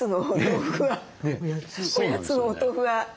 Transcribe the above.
おやつのお豆腐は。